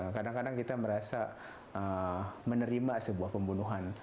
kadang kadang kita merasa menerima sebuah pembunuhan